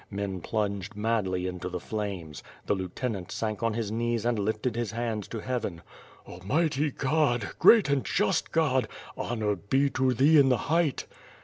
Men plunged madly into the flames. The lieutenant sank on his knees and lifted his lands to Heaven. "Almighty (iod! Great and just God! Honor be to thee in the height!"